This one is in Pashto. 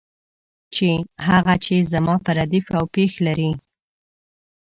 هغه چې په زما ردیف او پیښ لري.